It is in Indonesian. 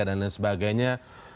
dan lain sebagainya